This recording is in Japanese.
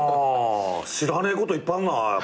知らねえこといっぱいあんな。